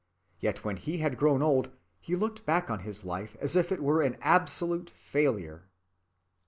yet when he had grown old, he looked back on his life as if it were an absolute failure.